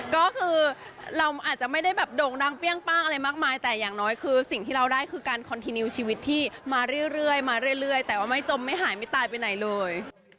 ก็คือเราอาจจะไม่ได้แบบโด่งดังเปรี้ยงป้างอะไรมากมายแต่อย่างน้อยคือสิ่งที่เราได้คือการคอนทีนิวชีวิตที่มาเรื่อยมาเรื่อยแต่ว่าไม่จมไม่หายไม่ตายไปไหนเลย